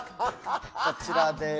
こちらです。